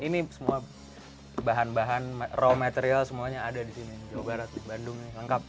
ini semua bahan bahan raw material semuanya ada disini jawa barat bandung lengkap